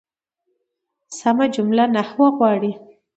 سمه جمله نحوه غواړي.